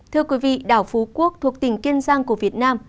thưa quý vị đảo phú quốc thuộc tỉnh kiên giang của việt nam